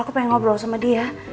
aku pengen ngobrol sama dia